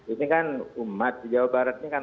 ini kan umat di jawa barat ini kan